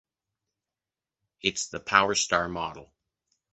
Its the Powerstar model.